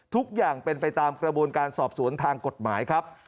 ทุกอย่างเป็นไปตามกระบวนการสอบสวนทางกฎหมายครับ